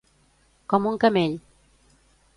Com un camell.